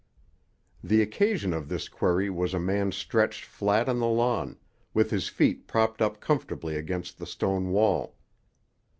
The occasion of this query was a man stretched flat on the lawn, with his feet propped up comfortably against the stone wall.